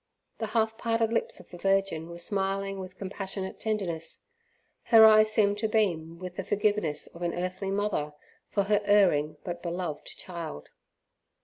The half parted lips of the Virgin were smiling with compassionate tenderness; her eyes seemed to beam with the forgiveness of an earthly mother for her erring but beloved child.